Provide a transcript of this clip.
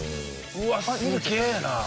うわすげえな。